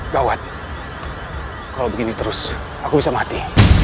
gawat kalau begini terus aku bisa mati